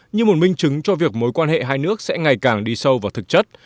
như một minh chứng cho việc mối quan hệ hai nước sẽ ngày càng đi sâu vào thực chất